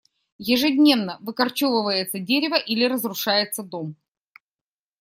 Ежедневно выкорчевывается дерево или разрушается дом.